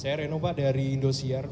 saya reno pak dari indosiar